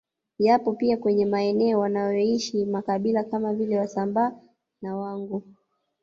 Yapo pia kwenye maeneo wanamoishi makabila kama vile Wasambaa na Wanguu